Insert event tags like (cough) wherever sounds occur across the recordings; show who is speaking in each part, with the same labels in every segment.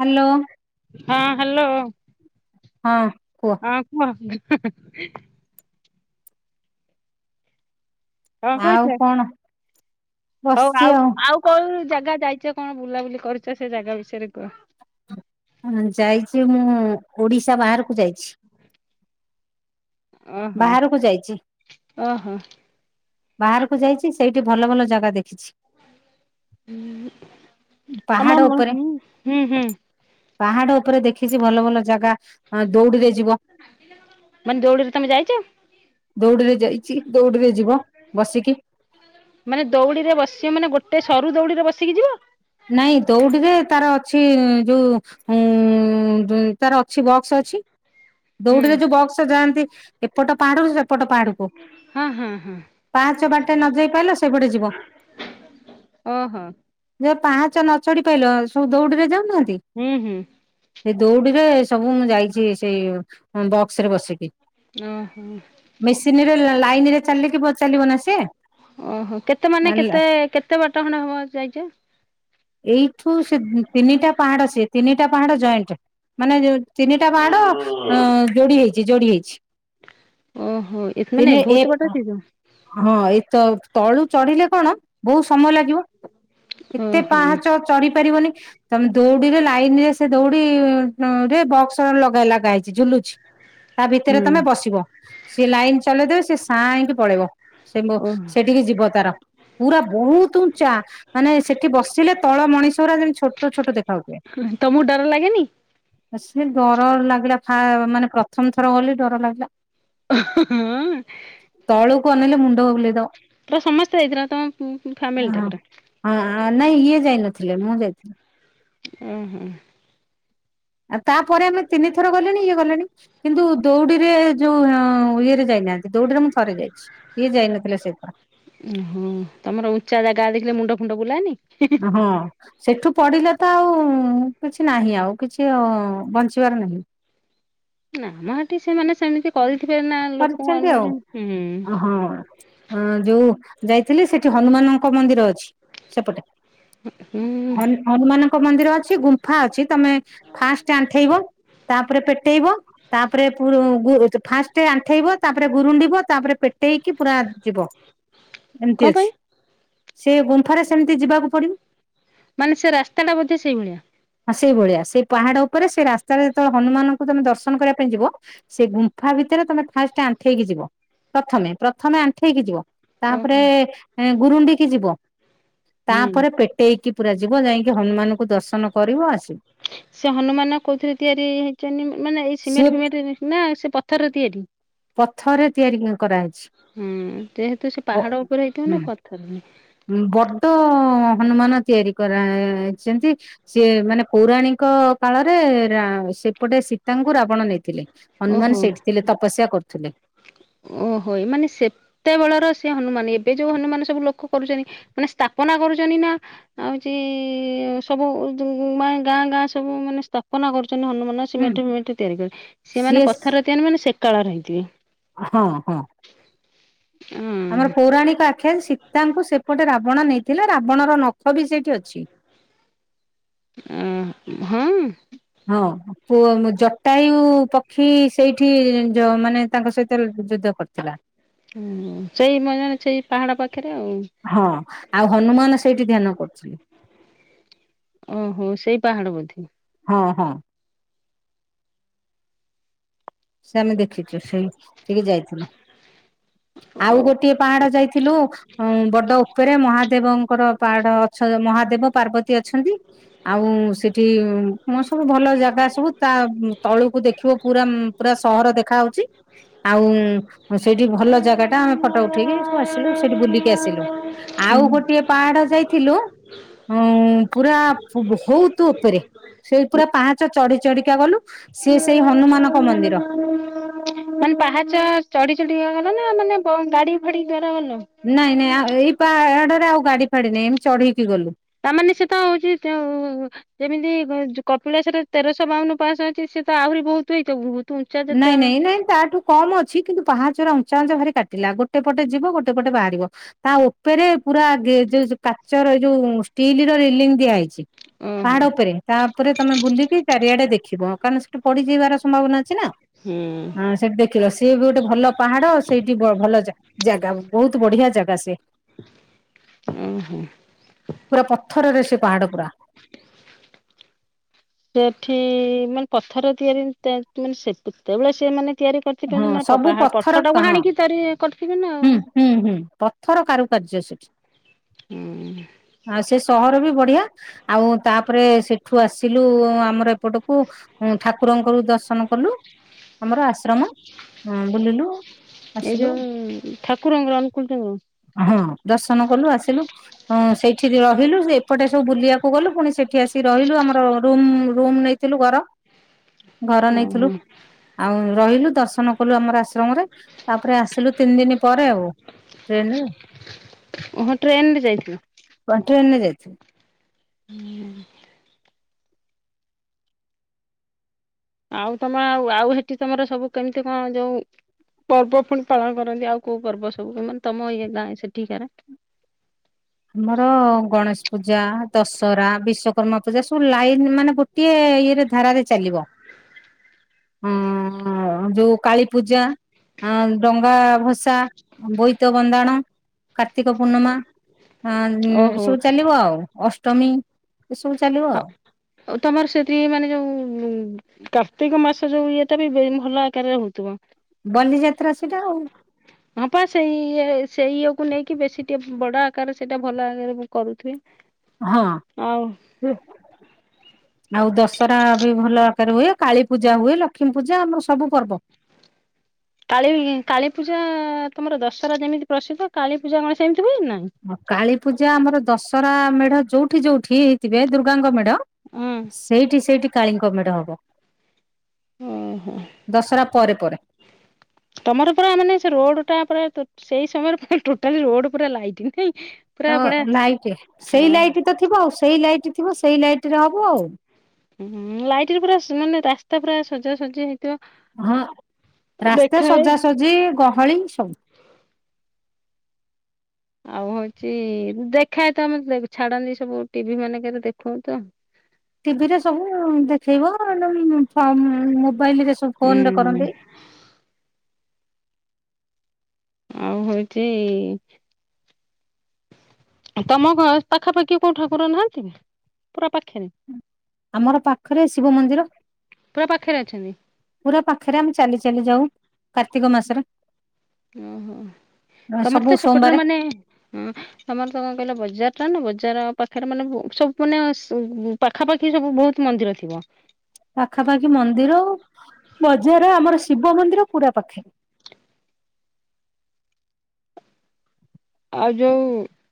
Speaker 1: Hello
Speaker 2: ହଁ, hello.
Speaker 1: ହଁ। କୁହ
Speaker 2: ଅଁ, କୁହ। (inaudible) କଣ କହୁଛ?
Speaker 1: ଆଉ, କଣ
Speaker 2: ହଉ,
Speaker 1: ବସିଛି
Speaker 2: ଆଉ, ଆଉ କୋଉ ଜାଗା ଯାଇଛ, କଣ ବୁଲାବୁଲି କରିୁଛ, ସେ ଜାଗା ବିଷୟରେ କୁହ।
Speaker 1: ଯାଇଛି, ମୁଁ ଓଡିଶା ବାହାରକୁ ଯାଇଛି।
Speaker 2: ଓହୋ
Speaker 1: ବାହାରକୁ ଯାଇଛି।
Speaker 2: ଓହୋ,
Speaker 1: ବାହାରକୁ ଯାଇଛି। ସେଇଠି ଭଲ, ଭଲ ଜାଗା ଦେଖିଛି।
Speaker 2: ଉଁ ତମା
Speaker 1: ପାହାଡ
Speaker 2: ମ ହ
Speaker 1: ଉପରେ
Speaker 2: ହୁଁ ହୁଁ
Speaker 1: ପାହାଡ ଉପରେ ଦେଖିଛି। ଭଲ ଭଲ ଜାଗା ଦୌଡି ଦେଇ
Speaker 2: ମାନେ ଦୌଡ଼ିରେ ତମେ ଯାଇଚ?
Speaker 1: ଦୌଡିରେ ଯାଇଛି ଦୌଡିରେ ଯିବ ବସିକି
Speaker 2: ମାନେ ଦଉଡିରେ ବସିବ ମାନେ ଗୋଟେ ସରୁ ଦୌଡ଼ିରେ ବସିକି ଯିବ?
Speaker 1: ନାଇଁ, ଦୌଡିରେ ତାର ଅଛି ଯୋଉ ତାର ଅଛି ବକ୍ସ ଅଛି।
Speaker 2: ହୁଁ
Speaker 1: ଦୌଡିରେ ଯୋଉ ବକ୍ସ ଯାଆନ୍ତି। (inaudible) ଏପଟ ପାହାଡରୁ ସେପଟ ପାହାଡକୁ
Speaker 2: ହଁ ହଁ ହଁ
Speaker 1: ପାହଚ ବାଟେ ନ ଯାଇ ପାଇଲ ସେପଟେ ଯିବ।
Speaker 2: ଓହୋ
Speaker 1: ଯେବେ ପାଞ୍ଚ ନଚଢି ପାଇଲ ସବୁ ଦୌଡିରେ ଯା ନାହାନ୍ତି
Speaker 2: ହୁଁ ହୁଁ
Speaker 1: ସେ ଦୌଡିରେ ସବୁ ମୁଁ ଯାଇଛି ସେଇ ବକ୍ସ ରେ ବସିକି।
Speaker 2: ଓହୋ
Speaker 1: ମେସିନ ରେ ଲାଇନ ରେ ଚାଲିକି ଚାଲିବ ନା ସିଏ
Speaker 2: ଓହୋ କେତେ ମାନେ କେତେ କେତେ ବାଟା ଖଣ୍ଡେ ହବ ଯାଇଛ?
Speaker 1: ଏଇଠୁ ସେ ତିନିଟା ପାହାଡ ସେ ତିନିଟା ପାହାଡ ଜଏଣ୍ଟ ମାନେ ଜୋ ତିନିଟା ପାହାଡ ଅ ଯୋଡି ହେଇଛି। ଜୋଡି ହେଇଛି।
Speaker 2: ଓହୋ ଏ
Speaker 1: ତିନି
Speaker 2: ମାନେ
Speaker 1: ଏ
Speaker 2: ବହୁତ ବାଟ ଅଛି ତ
Speaker 1: ହଁ ଏଇ ତ ତଳୁ ଚଢିଲେ କଣ ବହୁତ ସମୟ ଲାଗିବ ଏତେ
Speaker 2: ଓହୋ
Speaker 1: ପାହାଚ ଚଢି ପାରିବନି ତମେ ଦୌଡିରେ ଲାଇନ ରେ ସେ ଦୌଡି ରେ ବକ୍ସ ଲଗେଇ ଲାଇଛି ଝୁଲୁଚ ତା ଭିତରେ
Speaker 2: ହୁଁ
Speaker 1: ତମେ ବସିବ ସିଏ ଲାଇନ ଚଲେଇଦବେ ସି ସାଇଁକି ପଳେଇବ ସେ
Speaker 2: ଓହୋ
Speaker 1: ସେଠିକେ ଯିବ ତାର ପୁରା ବହୁତ ଉଞ୍ଚା ମାନେ ସେ ସେଠି ବସିଲେ ତଳ ମଣିଷ ରା ଯେମିତି ଛୋ ଛୋଟ ଛୋଟ ଦ
Speaker 2: ତମକୁ ଡର ଲାଗେନି
Speaker 1: ସେ ଡର ଲାଗିଲା ମାନେ ପ୍ରଥମ ଥର ଗଲି ଡର ଲାଗିଲା।
Speaker 2: ହଁ
Speaker 1: ତଳକୁ ଅନେଇଲେ ମୁଣ୍ଡ ବୁଲେଇଦବ
Speaker 2: ପୁରା ସମସ୍ତେ ହେଇଥିଲା ତମ
Speaker 1: ହଁ
Speaker 2: ଫ୍ୟାମିଲିଟା ପୁରା
Speaker 1: ହଁ ନାଇଁ ଇଏ ଯାଇ ନଥିଲେ ମୁଁ ଯାଇଥିଲି।
Speaker 2: ଅଁ, ହଁ।
Speaker 1: ଆଉ ତାପରେ ଆମେ ତିନି ଥର ଗଲିଣି ଇଏ ଗଲେଣି, କିନ୍ତୁ ଦଉଡିରେ ଯୋଉ ଅଁ, ଇଏରେ ଯାଇନାହାନ୍ତି ଦଉଡିରେ ମୁଁ ଥରେ ଯାଇଛି ଇଏ ଯାଇନଥିଲେ ସେଇଥର।
Speaker 2: ଓ ହଁ ତୋମର ଉଞ୍ଚା ଜାଗା ଦେଖିଲେ ମୁଣ୍ଡ ଫୁଣ୍ଡ ବୁଲାନି?
Speaker 1: ହଁ ସେଠୁ ପଡିଲେ ତ ଆଉ କିଛି ନାହିଁ ଆଉ। କିଛି ଅ, ବଞ୍ଚି ତୋର ନାହିଁ
Speaker 2: ନା ମୋ ହେଟି ସେମାନେ ସେମିତି କରିଥିବେ ନା
Speaker 1: ହଁ
Speaker 2: ଲୋକଙ୍କୁ
Speaker 1: କରିଛନ୍ତି ଆଉ,
Speaker 2: ଅନଉଛନ୍ତି ହୁଁ
Speaker 1: ଏ ହଁ ଅଁ, ଯୋଉ ଯାଇଥିଲି ସେଠି ହନୁମାନଙ୍କ ମନ୍ଦିର ଅଛି। ସେପଟେ
Speaker 2: ହୁଁ।
Speaker 1: ହନ ହନୁମାନଙ୍କ ମନ୍ଦିର ଅଛି ଗୁମ୍ ହଁ ଅଛି। ତୋମେ ଫାଷ୍ଟ ଆଣ୍ଠେଇବ ତାପରେ ପେଟେଇବ ତାପରେ ପୁରୁ ଗୁରୁ ଫାଷ୍ଟ ଆଣ୍ଠେଇବ ତାପରେ ଗୁରୁଣ୍ଡିବ ତାପରେ ପେଟେଇକି ପୁରା ଯିବ ଏମିତି
Speaker 2: କଣ ପାଇଁ
Speaker 1: ଅଛି। ସେ ଗୁମ୍ଫାରେ ସେମିତି ଯିବାକୁ ପଡିବ।
Speaker 2: ମାନେ ସେ ରାସ୍ତା ଟା ବୋଧେ ସେଇଭଳିଆ।
Speaker 1: ହଁ ସେଇଭଳିଆ ସେଇ ପାହାଡ ଉପରେ ସେ ରାସ୍ତାରେ ଯେତେବେଳେ ହନୁମାନଙ୍କୁ ତୋମେ ଦର୍ଶନ କରିବା ପାଇଁ ଯିବ ସେ ଗୁମ୍ ଫା ଭିତରେ ତୋମେ ଫାଷ୍ଟ ଆଣ୍ଠେଇକି ଯିବ ପ୍ରଥମେ ପ୍ରଥମେ ଆଣ୍ଠେଇକି ଯିବ ତାପରେ
Speaker 2: ଓହୋ
Speaker 1: ଏଁ, ଗୁରୁଣ୍ଡିକି ଯିବ
Speaker 2: ହୁଁ।
Speaker 1: ତାପରେ ପେଟେଇକି ପୁରା ଯିବ ଯାଇକି ହନୁମାନଙ୍କୁ ଦର୍ଶନ କରିବ ଆସ
Speaker 2: ସେ ହନୁମାନ କୋଉଥିରେ ତିଆରି ହେଇଚନି ମାନେ ଏଇ
Speaker 1: ସିଏ
Speaker 2: ସିମେଣ୍ଟ ଫିମେଣ୍ଟ ରେ ନା ସେ ପଥର ତିଆରି।
Speaker 1: ପଥରରେ ତିଆରି କରାହେଇଛି,
Speaker 2: ହୁଁ ଯେହେତୁ ସେ
Speaker 1: ହଁ
Speaker 2: ପାହାଡ ଉପରେ ହେଇଥିବ ନା ପଥରରେ
Speaker 1: ଉଁ, ବଡ ହନୁମାନ ତିଆରି କରାଛନ୍ତି, ସିଏ ମାନେ ପୌରାଣିକ କାଳରେ ରା-ସେପଟେ ସୀତାଙ୍କୁ ରାବଣ ନେଇଥିଲେ। ହନୁମାନ
Speaker 2: ଓହୋ।
Speaker 1: ସେଇଠି ଥିଲେ ତପସ୍ୟା କରୁ ଥିଲେ।
Speaker 2: ଓହୋ ଏ ମାନେ ସେତେବେଳର ସେ ହନୁମାନ ଏବେ ଯୋଉ ହନୁମାନ ସବୁ ଲୋକ କରୁଚନ୍ତି ମାନେ ସ୍ଥାପନା କରୁଚନି ନା ହଉଚି ସବୁ ଯୋଉ ମାଏଁ ଗାଁ ଗାଁ ସବୁ ମାନେ ସ୍ଥାପନା କରୁ ଚନି ହନୁମାନ
Speaker 1: ହୁଁ
Speaker 2: ସିମେଟେ ଫିମେଟେ ତିଆରି କରି,
Speaker 1: ସିଏ
Speaker 2: ସେମାନେ ପଥରର ତିଆରି ମାନେ ସେ କଳାର ହେଇଥିବେ।
Speaker 1: ହଁ, ହଁ। ଆମର
Speaker 2: ଅଁ
Speaker 1: ପୌରାଣିକ ଆଖ୍ୟାା ଅଛି ସି ତାଙ୍କୁ ସେପଟେ ରାବଣ ନେଇଥିଲେ ରାବଣର ନଖ ବି ସେଇଠି ଅଛି।
Speaker 2: ଆ ହଁ।
Speaker 1: ହଁ ପୁ ଜଟାୟୁ ପକ୍ଷୀ ସେଇଠି ମାନେ ତାଙ୍କ ସହିତ ଯୁଦ୍ଧ କରିଥିଲା।
Speaker 2: ହୁଁ ସେଇ ମଜ ନା ସେଇ ପାହାଡା ପ ପାଖରେ ଆଉ।
Speaker 1: ହଁ ଆଉ ହନୁମାନ ସେଇଠି ଧ୍ୟାନ କରୁଥିଲେ।
Speaker 2: ଓହୋ ସେଇ ପାହାଡ ବୋଧେ।
Speaker 1: ହଁ ହଁ। ସେ ଆମେ ଦେଖିଛୁ ସେଇ ଟିକେ ଯାଇଥିଲୁ। ଆଉ
Speaker 2: ଓ
Speaker 1: ଗୋଟିଏ ପାହାଡ ଯାଇଥିଲୁ। ହ ବଡ ଉପରେ ମହାଦେବଙ୍କର ପାହାଡ ଅ ମହାଦେବ ପାର୍ବତୀ ଅଛନ୍ତି ଆଉ ସେଠି ସବୁ ଭଲ ଜାଗା ସବୁ ତା ତଳୁକୁ ଦେଖିବ ପୁରା ପୁରା ସହର ଦେଖାହଉଛି। ଆଉ ସେଇଠି ଭଲ ଜାଗା ଟା ଆମେ ଫଟୋ ଉଠେଇକି ସବୁ ଆସିଲୁ ସେଇଠି ବୁଲିକି ଆସିଲୁ। ଆଉ
Speaker 2: ହୁଁ
Speaker 1: ଗୋଟିଏ ପାହାଡ ଯାଇଥିଲୁ ପୁରା ବହୁତ ଉପରେ ସେଇ ପୁରା ପାହାଞ୍ଚ ଚଢି ଚଢିକା ଗଲୁ ସିଏ ସେଇ ହନୁମାନ
Speaker 2: ମାନେ ପାହାଚ ଚଢି ଲା ନା ମାନେ ଗାଡି ଫାଡି ଗଲ?
Speaker 1: ନାଇଁ ନାଇଁଇପ ଏ ଆଉ ଗାଡି ଫାଡି ନେଇାଇ ଏମ ଚଢେଇକି ଗଲୁ।
Speaker 2: ତାମାନେ ସେ ତ ହଉଛି ଯେମିତି କପିଳା ସେଟ ତେରଶହ ବାଉନ ପାଶହ ଅଛି ସେ ତ ଆହୁରି ବହୁତ ହଇ
Speaker 1: ନାଇଁ ନାଇଁ ନାଇଁ ତାଠୁ କମ ଅଛି କିନ୍ତୁ ପାହାଚର ଉଞ୍ଚା ଅଞ୍ଚ ଘରେ କାଟି ଥିଲା ଗୋଟେ ପଟେ ଯିବ ଗୋଟେ ପଟେ ବାହାରିବ ତା ଉପରେ ପୁରା ଯୋଉ କାଚର ଏ ଯୋଉ ଷ୍ଟିଲ ର ରିଲି ଦିଆହେଇଛି।
Speaker 2: ଓହୋ
Speaker 1: ପାହାଡ ଉପରେ ତା ଉପରେ ତମେ ବୁଲିକି ଚାରିଆଡେ ଦେଖ ରଖିବ କାରଣ ସେଠ ପଡିଯ ଯିବାର ସମ୍ଭାବନା ଅଛି ନା।
Speaker 2: ହୁଁ
Speaker 1: ହଁ ସେଠି ଦେଖିଲ ସିଏ ବି ଗୋଟେ ଭଲ ପାହାଡ ସେଇଠି ଭଲ ଜାଗା ବହୁତ ବଢିଆ ଜାଗା ସେ
Speaker 2: ଓହୋ।
Speaker 1: ପୁରା ପଥରରେ ସେ ପାହାଡ ପୁରା।
Speaker 2: ସେଠି ମାନେ ପଥର ତିଆରି ମାନେ ସେତେବେଆ ସେ ମାନେ ତିଆରି କରି
Speaker 1: ହଁ
Speaker 2: ସେମାନେ
Speaker 1: ସବୁ ପଥର
Speaker 2: ପର୍ଥ ଟାକୁ
Speaker 1: ହଁ
Speaker 2: ହାଣିକିରି
Speaker 1: ହୁଁ ହୁଁ ହୁଁ ପଥର କାରୁ କାର୍ଯ୍ୟ ସେଠି।
Speaker 2: ହୁଁ
Speaker 1: ଆଉ ସେ ସହର ବି ବଢିଆ ଆଉ ତାପରେ ସେଠୁ ଆସିଲୁ ଆମର ଏପଟକୁ ଠାକୁରଙ୍କର ଦର୍ଶନ କଲୁ ଆମର ଆଶ୍ରମ ବୁଲିଲୁ ଆସିଲୁ।
Speaker 2: ହଁ ଠାକୁରଙ୍ଗର ଅନୁକୂଲ ଟଙ୍କ ର
Speaker 1: ଦଶ କଲୁ ଆସିଲୁ ସେଇଠି ଠୀ ରହିଲୁ ସେ ଏପଟେ ସବୁ ବୁଲିବାକୁ ଗଲୁ ପୁଣି ସେଠି ଆସିିକି ରହିଲୁ ଆମର ର ରୁମ ନେଇଥିଲୁ ଘର ଘର ନେଇଥିଲୁ
Speaker 2: ଓହୋ
Speaker 1: ଆଉ ରହିଲୁ ଦର୍ଶନ କଲୁ ଆମର ଆଶ୍ରମରେ ତାପରେ ଆସିଲୁ ଦିନ ପରେ ଆଉ ଟ୍ରେନ୍ ରେ
Speaker 2: ଓହୋ ଟ୍ରେନରେ ଯାଇଥିଲ?
Speaker 1: ଟ୍ରେନ ରେ ଯାଇଥିଲୁ।
Speaker 2: ହୁଁ। ଆଉ ତମ ଆଉ ଆଉ ସେଠି ତମର ସବୁ କେମିତି କଣ ଯୋଉ ପର୍ବ ପୁଣି ପାଳନ କରନ୍ତି ଆଉ କୋଉ ପର୍ବ ସବୁ ମ ତମ ଇଏ ଗାଁ ସେଠିକାର?
Speaker 1: ଆମର ଗଣେଶ ପୂଜା ଦଶହରା ବିଶ କର୍ମା ପୂଜା ସବୁ ଲାଇନ ମାନେ ଗୋଟିଏ ଇଏରେ ଧାରାରେ ଚାଲିବ। ହୁଁ ଯୋଉ କାଳି ପୂଜା ଡଙ୍ଗା ଭସା ବୋଇତ ବନ୍ଦାଣ କାର୍ତ୍ତିକ ପୂର୍ଣ୍ଣିମା ହଁ
Speaker 2: ଓହୋ।
Speaker 1: ସବୁ ଚାଲିବ ଆଉ ଅଷ୍ଟ ତମେ
Speaker 2: ତମର ସେଠି ମାନେ ଯୋଉ କାର୍ତ୍ତିକ ମାସ ଯୋଉ ଇଏଟା ବି ଭଲ ଆକାରରେ ହଉଥିବ।
Speaker 1: ବନ୍ଦ ଯାତ୍ରା ସେଟା ଆଉ।
Speaker 2: ହଁ ପା ସେଇ ଇଏ କୁ ନେଇକି ବେଶୀ ଟିକେ ବଡ ଆକାରରେ ସେଇଟା ଭଲ ଆକାରରେ କରୁଥିବେ।
Speaker 1: ହଁ
Speaker 2: ଆଉ
Speaker 1: ସେ ଆଉ ଦଶହରା ବି ଭଲ ଆକାରରେ ହୁଏ କାଳୀ ପୂଜା ହୁଏ ଲକ୍ଷ୍ମୀ ପୂଜା ଆମର ସବୁ ପର୍ବ।
Speaker 2: କାଳ କାଳୀପୂଜା ତମର ଦଶହରା ଯେମିତି ପ୍ରସିଦ୍ଧ କାଳୀପୂଜା କଣ ସେମିତି ହୁଏ ନା?
Speaker 1: କାଳୀ ପୂଜା ଆମର ଦଶ ରା ମେଢ ଯୋଉଠି ଯଉଠି ହେଇଥିବେ ଦୁର୍ଗାଙ୍ଗ ମେଢ
Speaker 2: ହଁ
Speaker 1: ସେଇଠି ସେଇଠି କାଳିଙ୍କ ମେଢ ହବ।
Speaker 2: ଓହୋ
Speaker 1: ଦଶହରା ପରେ ପରେ
Speaker 2: ତମର ପୁରା ମାନେ ସେ ରୋଡ ଟା ପୁରା ସେଇ ତମ ପୁରା ରୋଡ ପଟେ ଲାଇଟ ନାହିଁ।
Speaker 1: ହଁ ଲାଇଟ୍ ସେଇ ଲାଇଟ୍ ତ ଥିବ ସେଇ ଲାଇଟ୍ ଥିବ ସେଇ ଲାଇଟ ରେ ହବ ଆଉ।
Speaker 2: ହୁଁ ଲାଇଟରେ ପୁରା ମାନେ ରାସ୍ତା ପୁରା ସଜାସଜା ହେଇ
Speaker 1: ହଁ ରାସ୍ତା
Speaker 2: ଦେଖାଏ
Speaker 1: ସଜାସଜି ହଳିଂ ସ
Speaker 2: ଆଉ ହଉଛି ଦେଖାଏ ତ ଆମେ ଛାଡନ୍ତି ସବୁ ଟିଭି ମାନେଙ୍କରେ ଦେଖ ତ
Speaker 1: ଟିଭିରେ ସବୁ ଦେ (inaudible) ମୋବାଇଲି ସବୁ ଫୋନରେ
Speaker 2: ହୁଁ
Speaker 1: କରନ୍ତି।
Speaker 2: ଆଉ ହଉଛି ତମ ଘର ପାଖାପାଖି କୋଉ ଠାକୁର ନାହାନ୍ତି ପୁରା ପାଖରେ।
Speaker 1: ଆମର ପାଖରେ ଶିବ ମନ୍ଦିର
Speaker 2: ପୁରା ପାଖରେ ଅଛନ୍ତି
Speaker 1: ପୁରା ପାଖରେ ଆମେ ଚାଲି ଚାଲି ଯାଉ। କାର୍ତ୍ତିକ ମାସରେ।
Speaker 2: ଓ ହୋ। ତମର
Speaker 1: ସବୁ
Speaker 2: ତ ସେପଟରେ
Speaker 1: ସୋମବାର
Speaker 2: ମାନେ ତମର ତ କଣ କହିଲ ବଜାର ବଜାର ପାଖରେ ମାନେ ସବୁ ମାନେ ପାଖାପାଖି ସବୁ ବହୁତ ମନ୍ଦିର ଥିବ।
Speaker 1: ପାଖାପାଖି ମନ୍ଦିର ବଜାର ଆମର ଶିବ ମନ୍ଦିର ପୁରା ପାଖେ।
Speaker 2: ଆଉ ଯୋଉ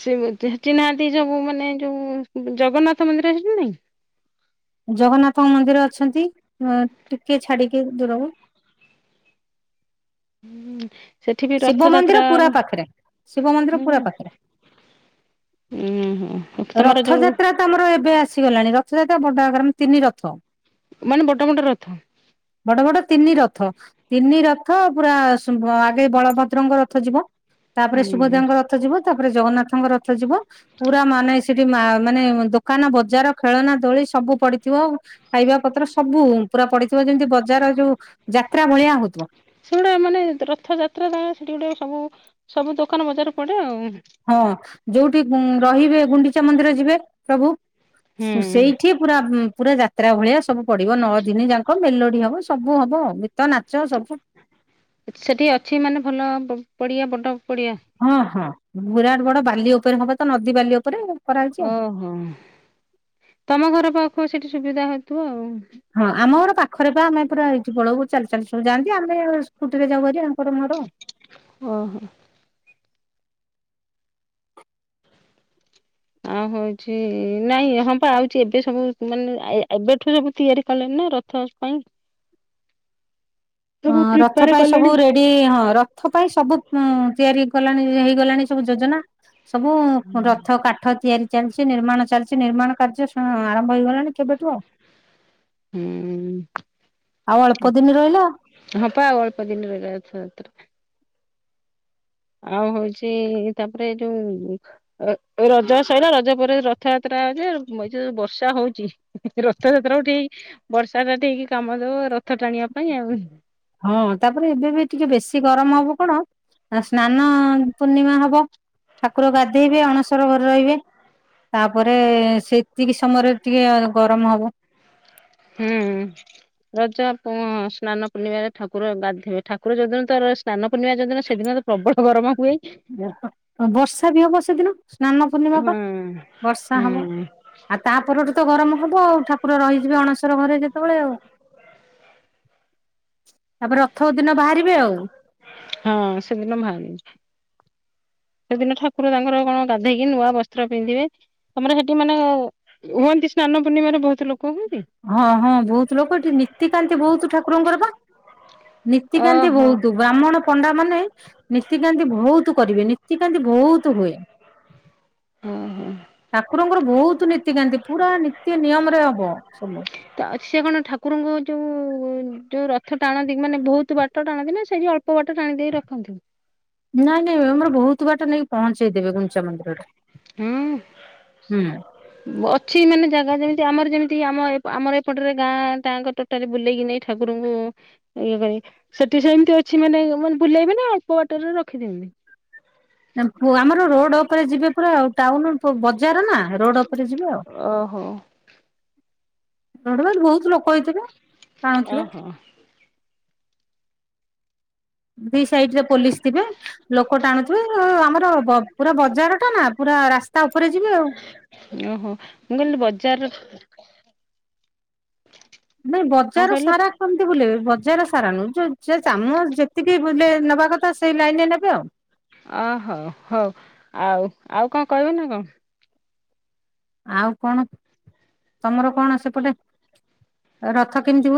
Speaker 2: ସେ ଚିହ୍ନାହାନ୍ତି ଯୋଉ ମାନେ ଯୋଉ ଜଗନ୍ନାଥ ମନ୍ଦିର ସେଠି ନାଇଁ।
Speaker 1: ଜଗନ୍ନାଥଙ୍କ ମନ୍ଦିର ଅଛନ୍ତି ଟିକେ ଛାଡିକି ଦୂରକୁ।
Speaker 2: (inaudible)
Speaker 1: ଶିବ ମନ୍ଦିର
Speaker 2: ରଥଯାତ୍ରା
Speaker 1: ପୁରା
Speaker 2: ହୁଁ
Speaker 1: ପାଖରେ ଶିବ ମନ୍ଦିର ପୁରା ପାଖରେ।
Speaker 2: ଉଁ ତମର ଯୋଉ
Speaker 1: ରଥଯାତ୍ରା ତ ଆମର ଏବେ ଆସିଗଲାଣି ରଥ ରଥଯାତ୍ରା ବଡଆକାରେ ତିନି ରଥ
Speaker 2: ମାନେ ବଡବଡ ରଥ।
Speaker 1: ବଡ ବଡ ତିନି ରଥ ତିନି ରଥ ପୁରା ଆଗେ ବଳଭଦ୍ରଙ୍କ ରଥ ଯିବ। ତାପରେ
Speaker 2: ହୁଁ
Speaker 1: ସୁଭଦ୍ରାଙ୍କ ରଥ ଯିବ ତାପରେ ଜଗନ୍ନାଥଙ୍କ ରଥ ଯିବ ପୁରା ମାନେ ସେଠି ମାନେ ଦୋକାନବଜାର ଖେଳନା ଦୋଳି ସବୁ ପଡିଥିବ। ଖାଇବାପତ୍ର ସବୁ ପୁରା ପଡିଥିବ ଯେମିତି ବଜାର ଯୋଉ ଯାତ୍ରା ଭଳିଆ ହଉଥିବ।
Speaker 2: ସେଗୁଡା ମାନେ ରଥଯାତ୍ରା ତା ସେଠି ଗୋଟେ ସବୁ ସବୁ ଦୋକାନବଜାର ପଡେ ଆଉ
Speaker 1: ହଁ ଯୋଉଠି ରହିବେ ଗୁଣ୍ଡିଚା ମନ୍ଦିର ଯିବେ। ପ୍ରଭୁ।
Speaker 2: ହୁଁ
Speaker 1: ସେଇଠି ପୁରା ପୁରା ଯାତ୍ରା ଭଳିଆ ସବୁ ପଡିବ ନଅଦିନ ଯାକ ମେଲୋଡି ହବ, ସବୁ ହବ। ନାଚ ସବୁ
Speaker 2: ସେଠି ଅଛି ମାନେ ଭଲ ବଢିଆ ବଡ ପଡିଆ
Speaker 1: ହଁ ହଁ। ବିରାଟ ବଡ ବାଲି ଉପରେ ହବ ତ ନଦୀ ବାଲି ଉପରେ କରାହେଇଛି ଆଉ।
Speaker 2: ଓହୋ ତମ ଘର ପା ହଉ ସେଠି ସୁବିଧା ହ ତୁ ଆଉ
Speaker 1: ହଁ ଆମ ଘର ପାଖରେ ବା ଆମେ ପୁରା ହେଇଠି ପଳଉ, ଚାଲି ଚାଲିୁ ସବୁ ଯାନ୍ତି, ଆମେ ସ୍କୁଟିରେ ଯାଉହେରି ଆଙ୍କର ମୋର।
Speaker 2: ଓ ହୋ। ଆଉ ହଉଛି ନାଇଁ ହଁ ପା ଆଉଛି ଏବେ ସବୁ ମାନେ ଏବେଠୁ ସବୁ ତିଆରି କଲେଣିି ନା ରଥ ପାଇଁ। ସବୁ
Speaker 1: ହଁ ରଥ
Speaker 2: ପ୍ରିପେୟାର
Speaker 1: ପାଇଁ ସବୁ
Speaker 2: କଲେଣି।
Speaker 1: ରେଡି ହଁ ରଥ ପାଇଁ ସବୁ ତିଆରି କଲାଣି ହେଇଗଲାଣି ସବୁ ଯୋଜନା। ସବୁ ରଥ କାଠ ତିଆରି ଚାଲିଛି ନିର୍ମାଣ ଚାଲିଛି, ନିର୍ମାଣ କାର୍ଯ୍ୟ ଆରମ୍ଭ ହେଇଗଲାଣି କେବେଠୁ ଆଉ।
Speaker 2: ହୁଁ
Speaker 1: ଆଉ ଅଳ୍ପ ଦିନ ରହିଲା।
Speaker 2: ହଁପା ଅଳ୍ପ ଦିନ ରହିଲା। ଆଉ ହଉଛି ତାପରେ ଯୋଉ ରଜ ସରିଲା ରଜ ପରେ ରଥଯାତ୍ରା ଯେ ଏ ଯୋଉ ବର୍ଷା ହଉଛି ରଥଯାତ୍ରା ଠିକ ବର୍ଷାଟା ଠିକ କାମ ଦବ। ଟାଣିବା ପାଇଁ ଆଉ
Speaker 1: ହଁ ତାପରେ ଏବେ ବି ଟିକେ ବେଶୀ ଗରମ ହବ କଣ ସ୍ନାନ ପୂର୍ଣ୍ଣିମା ହବ ଠାକୁର ଗାଧେଇବେ ଅଣସର ଘରେ ରହିବେ ତାପରେ ସେତିକି ସମୟରେ ଟିକେ ଗରମ ହବ।
Speaker 2: ହୁଁ ରଜ ପ-ଅ-ଅ ସ୍ନାନ ପୂର୍ଣ୍ଣିମାରେ ଠାକୁର ଗାଧେଇବେ ଠାକୁର ଯଦିନ ତର ସ୍ନାନ ପୂର୍ଣ୍ଣିମା ଯୋଉଦିନ ସେଦିନ ତ ପ୍ରବଳ ଗରମ ହୁଏ।
Speaker 1: ବର୍ଷା ବି ହବ ସେଦିନ ସ୍ନାନ ପୂର୍ଣ୍ଣିମା ବା
Speaker 2: ହଁ
Speaker 1: ବର୍ଷା ହବ
Speaker 2: ହୁଁ
Speaker 1: ଆଉ ତାପରଠୁ ତ ଗରମ ହବ ଆଉ ଠାକୁର ରହିଯିବେ ଅଣସର ଯେତେବେଳେ ଆଉ, ତାପରେ ରଥ ଦିନ ବାହାରିବେ ଆଉ।
Speaker 2: ହଁ ସେଦିନ ବାହାରିବେ। ସେଦିନ ଠାକୁର ତାଙ୍କର କଣ ଗାଧେଇକି ନୂଆ ବସ୍ତ୍ର ପିନ୍ଧିବେ। ତମର ସେଠି ମାନେ-ଏ ହୁଅନ୍ତି ସ୍ନାନ ପୂର୍ଣ୍ଣିମାରେ ବହୁତ ଲୋକ ହୁଅନ୍ତି?
Speaker 1: ହଁ ହଁ ବହୁତ ଲୋକ ଏଠି ନୀତିକାନ୍ତି ବହୁତ ଠାକୁରଙ୍କର ବା ନୀତିକାନ୍ତି
Speaker 2: ଓହୋ
Speaker 1: ବହୁତ ବ୍ରାହ୍ମଣ ପଣ୍ଡା ମାନେ ନୀତିକାନ୍ତି ବହୁତ କରିବେ। ନୀତିକାନ୍ତି ବହୁତ ହୁଏ।
Speaker 2: ହଁ ହଁ।
Speaker 1: ଠାକୁରଙ୍କର ବହୁତ ନୀତିକାନ୍ତି ପୁରା ନୀତି ନିୟମରେ ହବ ସବୁ।
Speaker 2: ତ ସେ କଣ ଠାକୁରଙ୍କୁ ଯୋଉ-ଉ-ଉ-ଉ ଯୋଉ ରଥ ଟାଣନ୍ତି ମାନେ ବହୁତ ବାଟ ଟାଣନ୍ତି ନା ସେଠି ଅଳ୍ପ ବାଟ ଟାଣି ଦେଇ ରଖନ୍ତି।
Speaker 1: ନାଇଁ ନାଇଁ ଆମର ବହୁତ ବାଟ ନେଇକି ପହଞ୍ଚେଇ ଦେବେ ଗୁଡିଞ୍ଚା ମନ୍ଦିରରେ।
Speaker 2: ହଁ
Speaker 1: ହୁଁ।
Speaker 2: ଅଛି ମାନେ ଜାଗା ଯେମିତି ଆମର ଯେମିତି ତି ଆମ ଆମର ଏପଟରେ ଗାଁ ତାଙ୍କ ଟୋଟାଲି ବୁଲେଇକି ନେଇ ଠାକୁରଙ୍କୁ ଇଏ କରି ସେଠି ସେମିତି ଅଛି ମାନେ ମା ବୁଲେଇବେ ନା ଅଳ୍ପ ବାଟରେ ରଖିଦିଅନ୍ତି।
Speaker 1: ନା ପ ଆମର ରୋଡ ଉପରେ ଯିବେ ପୁରା ଆଉ ଟାଉନ ପ ବଜାର ନା। ରୋଡ ଉପରେ ଯିବ।
Speaker 2: ଓହୋ।
Speaker 1: ରୋଡରେ ବା ବହୁତ ଲୋକ ହେଇଥିବେ। ଟାଣୁଥିବେ
Speaker 2: ଓହୋ।
Speaker 1: ଦି ସାଇଡ ରେ ପୋଲିସ ଥିବେ, ଲୋକ ଟାଣୁଥିବେ ଅ-ଅ ଆମର ପ ପୁରା ବଜାର ଟା ନା ପୁରା ରାସ୍ତା ଉପ
Speaker 2: ଓହୋ ମୁଁ କହିଲି ବଜାର (inaudible)
Speaker 1: ନାଇଁ ବଜାର ସାରା କେମିତି ବୁଲେଇବେ ବଜାର ସାରା ନୁହଁ ଯୋଉ ସେ ଚାମ ଯେତିକି ବୁଲେ ନବା କଥା ସେଇ ଲାଇନିରେ ନେବେ ଆଉ।
Speaker 2: ଆ ହ ହୋଉ ଆଉ ଆଉ କଣ କହିବ ନା କଣ?
Speaker 1: ଆଉ କଣ, ତମର କଣ ସେପଟେ ରଥ କେମିତି ହୁଏ?